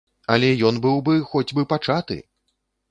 Але ён быў бы хоць бы пачаты!